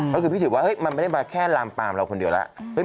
ก็คือพี่ถือว่ามันไม่ได้มาแค่ลามปามเราคนเดียวแล้ว